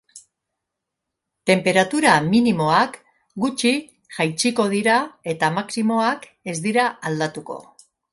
Tenperatura minimoak gutxi jaitsiko dira eta maximoak ez dira aldatuko.